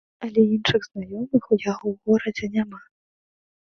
Але іншых знаёмых у яго ў горадзе няма.